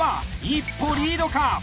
一歩リードか。